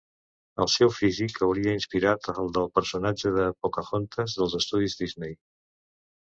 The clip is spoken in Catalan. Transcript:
El seu físic hauria inspirat el del personatge de Pocahontas dels estudis Disney.